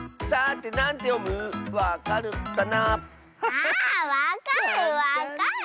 あわかるわかる。